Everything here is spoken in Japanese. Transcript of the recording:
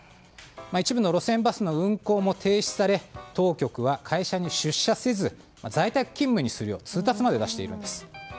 一部の路線バスの運行も停止され当局は会社に出社せず在宅勤務にするよう通達まで出しているんです。